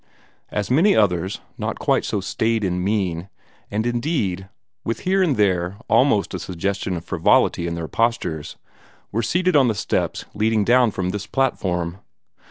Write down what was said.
As many others, not quite so staid in mien, and indeed with here and there almost a suggestion of frivolity in their postures, were seated on the steps leading down from this platform.